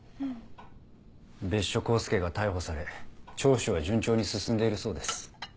別所幸介が逮捕され聴取は順調に進んでいるそうです。